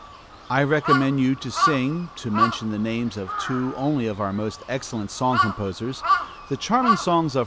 I recommend you to sing (to mention the names of two only of our most excellent song composers) the charming songs of Fr.